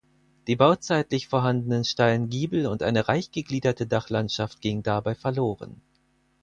Die bauzeitlich vorhandenen steilen Giebel und eine reich gegliederte Dachlandschaft gingen dabei verloren.